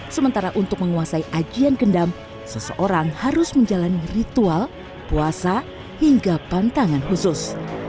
sementara untuk menguasai ajian kendam seseorang harus menjalani ritual puasa hingga pantangan khusus